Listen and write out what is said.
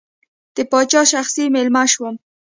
د پاچا شخصي مېلمه شوم.